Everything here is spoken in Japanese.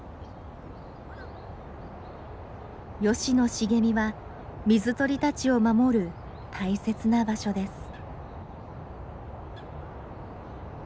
ヨシの茂みは水鳥たちを守る大切な場所です。